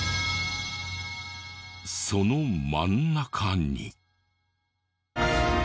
その真ん中に。